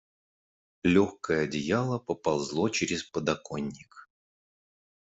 Легкое одеяло поползло через подоконник.